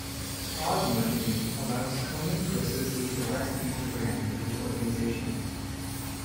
Cause marketing allows Komen to associate the breast cancer brand with its organization.